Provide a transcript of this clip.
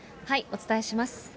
お伝えします。